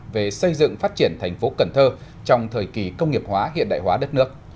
về xây dựng phát triển thành phố cần thơ trong thời kỳ công nghiệp hóa hiện đại hóa đất nước